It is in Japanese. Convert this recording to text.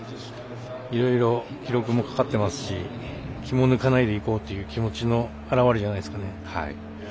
いろいろ、記録もかかってますし気も抜かないでいこうっていう気持ちの表れじゃないですかね。